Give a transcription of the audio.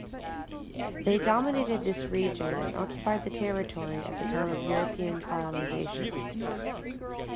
They dominated this region and occupied the territory at the time of European colonization.